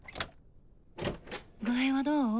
具合はどう？